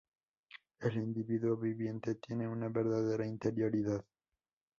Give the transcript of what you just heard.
El individuo viviente tiene una verdadera interioridad.